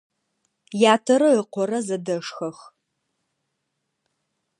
Ятэрэ ыкъорэ зэдэшхэх.